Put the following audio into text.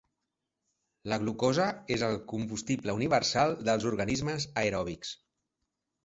La glucosa és el combustible universal dels organismes aeròbics.